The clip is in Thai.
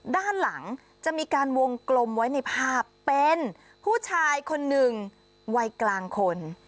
ด้านหลังจะมีการวงกลมไว้ในภาพเป็นผู้ชายคนหนึ่งวัยกลางคน